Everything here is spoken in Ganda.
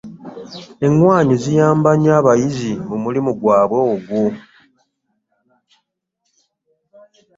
Eŋŋwanyu ziyamba nnyo abayizzi mu mulimu gwabwe ogwo.